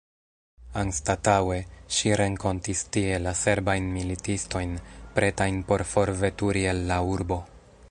Anstataŭe, ŝi renkontis tie la serbajn militistojn, pretajn por forveturi el la urbo.